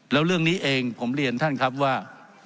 แล้วเรื่องนี้เองผมเรียนท่านครับว่า